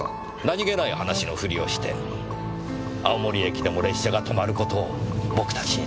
何気ない話のふりをして青森駅でも列車が停まる事を僕たちに伝えたんです。